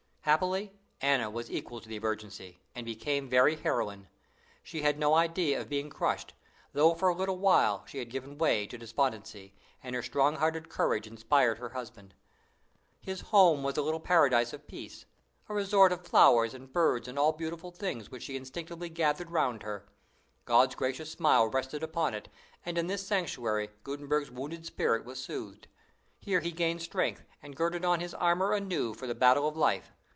Happily, Anna was equal to the emergency, and became a very heroine. She had no idea of being crushed, although for a little while she had given way to despondency, and her strong hearted courage inspired her husband. His home was a little paradise of peace, the resort of flowers and birds and all beautiful things which she instinctively gathered around her. God's gracious smile rested upon it, and in this sanctuary Gutenberg's wounded spirit was soothed; here he gained strength, and girded on his armor anew for the battle of life.